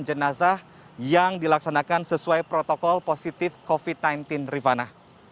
dan jenazah yang dilaksanakan sesuai protokol positif covid sembilan belas rivana